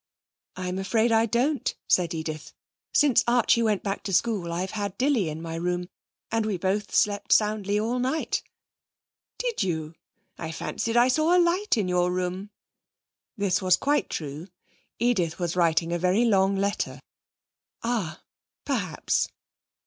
'I'm afraid I don't,' said Edith. 'Since Archie went back to school I have had Dilly in my room, and we both slept soundly all night.' 'Did you? I fancied I saw a light in your room.' This was quite true. Edith was writing a very long letter. 'Ah, perhaps.'